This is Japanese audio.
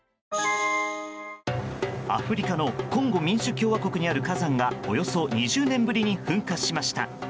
アフリカのコンゴ民主共和国にある火山がおよそ２０年ぶりに噴火しました。